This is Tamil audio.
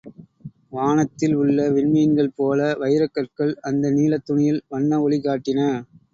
வானத்தில் உள்ள விண்மீன்கள் போல வைரக்கற்கள், அந்த நீலத் துணியில் வண்ண ஒளிகாட்டின.